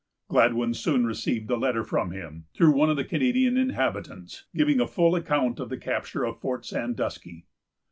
Gladwyn soon received a letter from him, through one of the Canadian inhabitants, giving a full account of the capture of Fort Sandusky.